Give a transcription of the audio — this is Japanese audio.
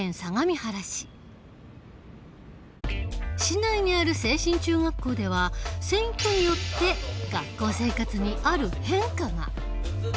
市内にある清新中学校では選挙によって学校生活にある変化が。